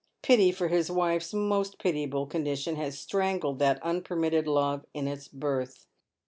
Pity for his wife's most pitiable condition has strangled that unpermitted love in its birth.